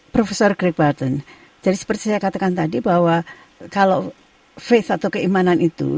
profesor greg barton jadi seperti yang saya katakan tadi kalau faith atau keimanan itu